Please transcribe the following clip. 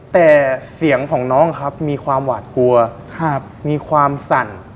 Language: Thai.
แต่เสียงของน้องครับมีความหวาดกลัวมีความสั่น